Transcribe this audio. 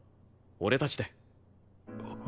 俺たちで。